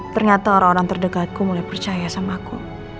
ternyata orang orang terdekatku mulai percaya sama aku